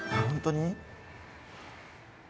本当に？